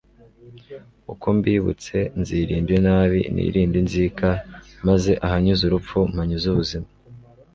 uko mbibutse nzirinda inabi, nirinde inzika, maze ahanyuze urupfu mpanyuze ubuzima